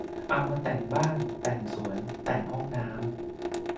เอามาแต่งบ้าน แต่งสวน แต่งห้องน้ำ